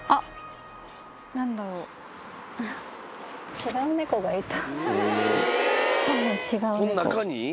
違う猫がいた。